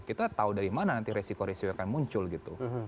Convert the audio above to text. kita tahu dari mana nanti resiko resiko akan muncul gitu